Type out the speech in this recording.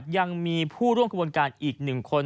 ยังมีผู้ร่วมกระบวนการอีกหนึ่งคน